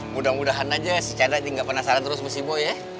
mudah mudahan aja si chandra gak penasaran terus sama si boya